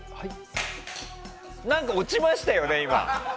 何か落ちましたよね、今。